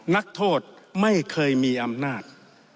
นักโทษไม่เคยมีอำนาจ